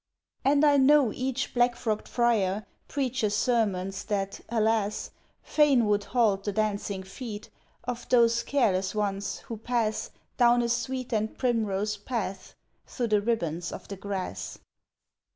And I know each black frocked friar preacheth sermons that, alas! Fain would halt the dancing feet of those careless ones who pass Down a sweet and primrose path, through the ribbons of the grass.